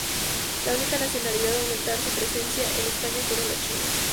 La única nacionalidad a aumentar su presencia en España fueron los chinos.